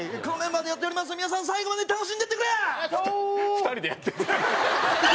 ２人でやってる。